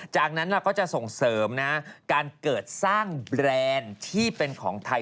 จากนั้นเราก็จะส่งเสริมนะการเกิดสร้างแบรนด์ที่เป็นของไทย